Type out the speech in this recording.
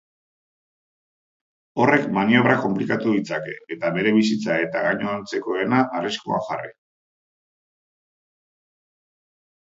Horrek maniobrak konplikatu ditzake eta bere bizitza eta gainontzekoena arriskuan jarri.